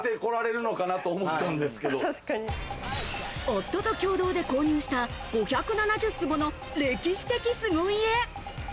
夫と共同で購入した５７０坪の歴史的凄家。